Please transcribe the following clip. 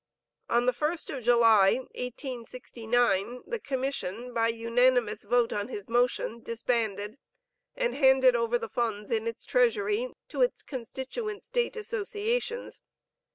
On the 1st of July, 1869, the Commission, by unanimous vote on his motion, disbanded, and handed over the funds in its treasury to its constituent State associations.